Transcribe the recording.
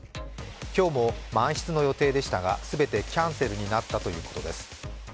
今日も満室の予定でしたが、全てキャンセルになったということです。